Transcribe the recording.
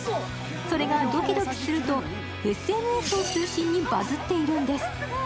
それがドキドキするとＳＮＳを中心にバズっているんです。